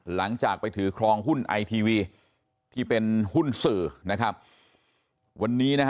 หลังจากไปถือครองหุ้นไอทีวีที่เป็นหุ้นสื่อนะครับวันนี้นะฮะ